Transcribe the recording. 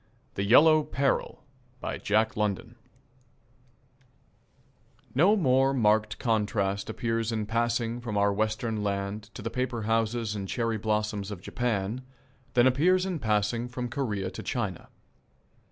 THE YELLOW PERIL No more marked contrast appears in passing from our Western land to the paper houses and cherry blossoms of Japan than appears in passing from Korea to China.